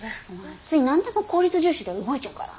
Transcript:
つい何でも効率重視で動いちゃうから。